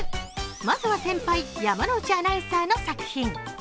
まずは先輩・山内アナウンサーの作品。